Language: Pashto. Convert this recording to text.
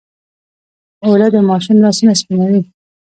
اوړه د ماشوم لاسونه سپینوي